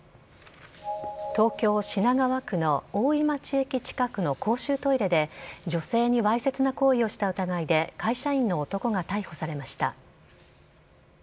東京・品川区の大井町駅近くの公衆トイレで、女性にわいせつな行為をした疑いで会社員の男が逮捕されました。